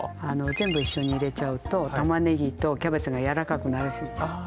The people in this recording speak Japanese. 全部一緒に入れちゃうとたまねぎとキャベツがやわらかくなりすぎちゃって。